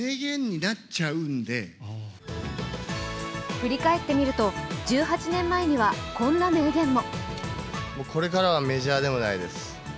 振り返ってみると１８年前にはこんな名言も。